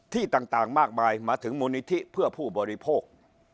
ที่ต่างมากมายมาถึงมูลนิธิเพื่อผู้บริโภค